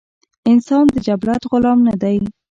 انسان د جبلت غلام نۀ دے